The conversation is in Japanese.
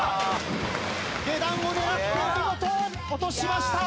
下段を狙って見事落としました。